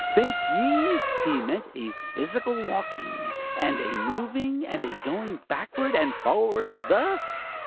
Think ye he meant a physical walking, and a moving, and a going backward and forward thus?